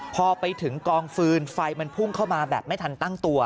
พอไปถึงกองฟืนไฟมันพุ่งเข้ามาแบบไม่ทันตั้งตัว